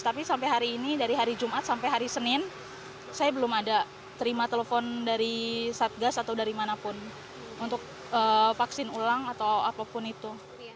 tapi sampai hari ini dari hari jumat sampai hari senin saya belum ada terima telepon dari satgas atau dari manapun untuk vaksin ulang atau apapun itu